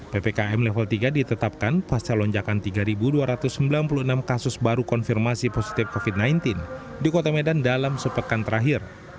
ppkm level tiga ditetapkan pasca lonjakan tiga dua ratus sembilan puluh enam kasus baru konfirmasi positif covid sembilan belas di kota medan dalam sepekan terakhir